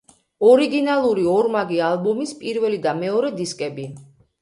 ორიგინალური ორმაგი ალბომის პირველი და მეორე დისკები.